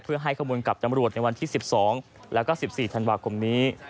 เพื่อให้ข้อมูลกับตำรวจในวันที่๑๒แล้วก็๑๔ธันวาคมนี้